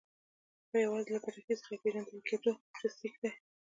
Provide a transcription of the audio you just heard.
خو یوازې له پټکي څخه یې پېژندل کېدو چې سېک دی.